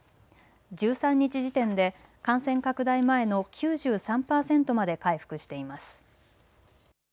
１３日時点で感染拡大前の９３パーセントまで回復しています。